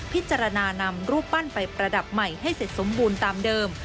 พิจารณานำรูปปั้นไปประดับใหม่ให้เสร็จสมบูรณ์ตามเดิม